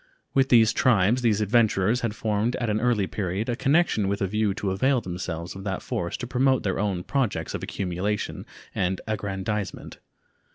With these tribes these adventurers had formed at an early period a connection with a view to avail themselves of that force to promote their own projects of accumulation and aggrandizement.